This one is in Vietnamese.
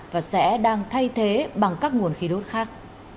và sẽ đang thay thế bằng các nguồn khí đốt khác